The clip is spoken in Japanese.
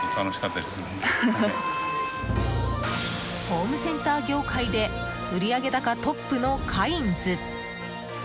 ホームセンター業界で売上高トップのカインズ。